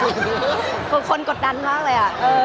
มันเป็นเรื่องน่ารักที่เวลาเจอกันเราต้องแซวอะไรอย่างเงี้ย